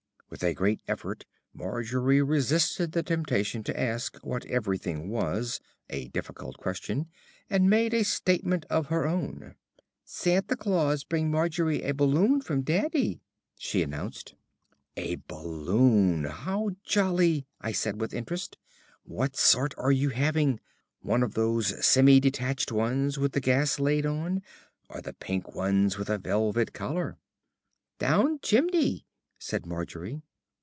With a great effort Margery resisted the temptation to ask what "everything" was (a difficult question), and made a statement of her own. "Santa Claus bring Margie a balloon from Daddy," she announced. "A balloon! How jolly!" I said with interest. "What sort are you having? One of those semi detached ones with the gas laid on, or the pink ones with a velvet collar?" "Down chimney," said Margery.